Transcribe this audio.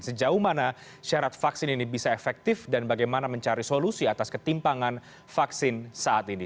sejauh mana syarat vaksin ini bisa efektif dan bagaimana mencari solusi atas ketimpangan vaksin saat ini